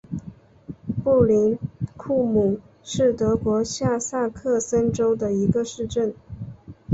布林库姆是德国下萨克森州的一个市镇。